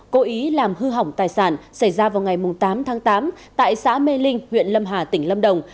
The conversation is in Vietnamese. cố ý làm hư hỏng tài sản xảy ra vào ngày tám tháng tám tại xã mê linh huyện lâm hà tỉnh lâm đồng